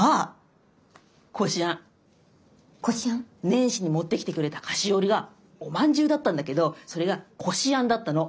年始に持ってきてくれた菓子折がおまんじゅうだったんだけどそれがこしあんだったの。